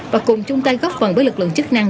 và cùng chung tay góp phần với lực lượng chức năng